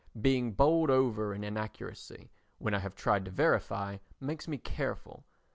Being bowled over in inaccuracy, when I have tried to verify, makes me careful.